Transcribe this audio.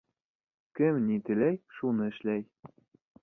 Кем ни теләй, шуны эшләй.